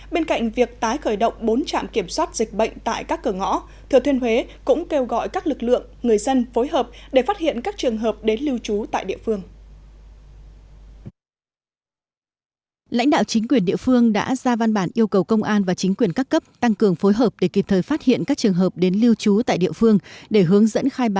bên cạnh việc tái khởi động bốn trạm kiểm soát dịch bệnh tại các cửa ngõ thừa thiên huế cũng kêu gọi các lực lượng người dân phối hợp để phát hiện các trường hợp đến lưu trú tại địa phương